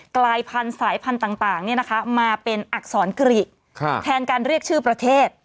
กลายพันธุ์สายพันธุ์ต่างมาเป็นอักษรกริแทนการเรียกชื่อประเทศ